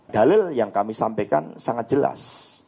dalil yang kami sampaikan sangat jelas